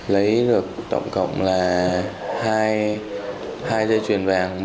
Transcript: lấy được tổng cộng là hai dây chuyền vàng